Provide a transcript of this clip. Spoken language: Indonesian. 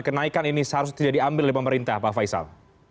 kenaikan ini seharusnya tidak diambil oleh pemerintah pak faisal